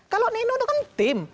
kalau nino kan tim